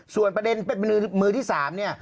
ส่วนประเด็นเป็นมือที่๓เนี่ย